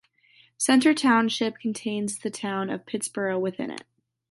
Center Township contains the town of Pittsboro within it.